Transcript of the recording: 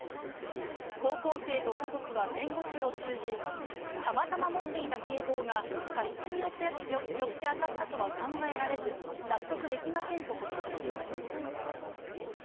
高校生と家族は弁護士を通じ、たまたま持っていた警棒が、過失によって当たったとは考えられず、納得できませんとコメントしています。